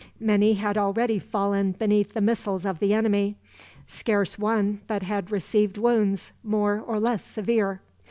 Many had already fallen beneath the missiles of the enemy. Scarce one but had received wounds, more or less severe.